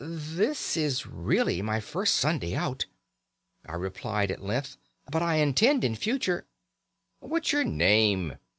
'This is really my first Sunday out,' I replied at length, 'but I intend in future ' "'What's your name?'